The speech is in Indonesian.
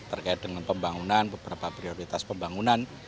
terkait dengan pembangunan beberapa prioritas pembangunan